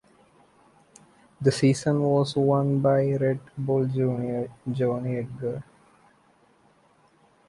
The season was won by Red Bull junior Jonny Edgar.